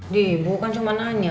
gak usah nanya